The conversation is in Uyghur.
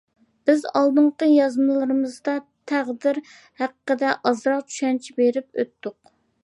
بىز ئالدىنقى يازمىلىرىمىزدا تەقدىر ھەققىدە ئازراق چۈشەنچە بېرىپ ئۆتتۇق.